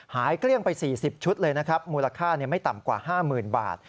เกลี้ยงไป๔๐ชุดเลยนะครับมูลค่าไม่ต่ำกว่า๕๐๐๐บาท